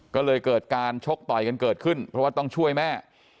ก็เลยเกิดการชกต่อยกันเกิดขึ้นเพราะว่าต้องช่วยแม่